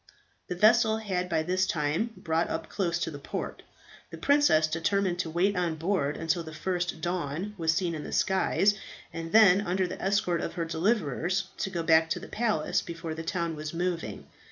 The vessel had by this time brought up close to the port. The princess determined to wait on board until the first dawn was seen in the skies, and then under the escort of her deliverers to go back to the palace, before the town was moving.